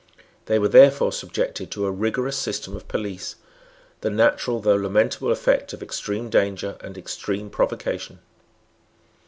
They were therefore subjected to a rigorous system of police, the natural though lamentable effect of extreme danger and extreme provocation.